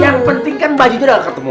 yang penting kan bajunya udah ketemu